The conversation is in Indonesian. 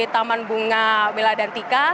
taman bunga wiladantika